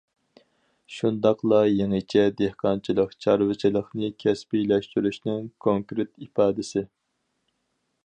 شۇنداقلا يېڭىچە دېھقانچىلىق، چارۋىچىلىقنى كەسىپلەشتۈرۈشنىڭ كونكرېت ئىپادىسى.